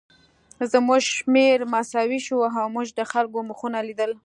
زموږ شمېر مساوي شو او موږ د خلکو مخونه لیدل